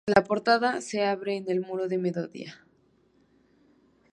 La portada se abre en el muro de mediodía.